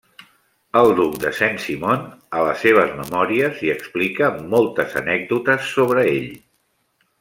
El duc de Saint-Simon, a les seves memòries, hi explica moltes anècdotes sobre ell.